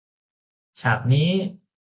ฉากนี้